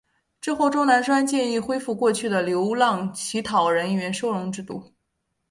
之后钟南山建议恢复过去的流浪乞讨人员收容制度。